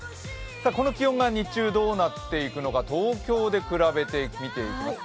この気温が日中どうなっていくのか、東京で見ていきます。